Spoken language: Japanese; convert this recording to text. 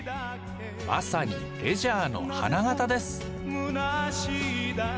まさにレジャーの花形です。